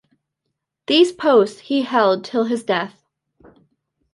These posts he held till his death.